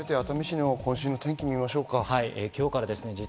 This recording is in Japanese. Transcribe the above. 改めて熱海市の今週の天気を見ましょう。